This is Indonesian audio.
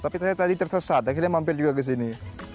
tapi saya tadi tersesat akhirnya mampir juga ke sini